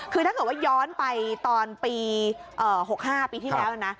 คือถ้าเกิดว่าย้อนไปตอนปี๖๕ปีที่แล้วนะ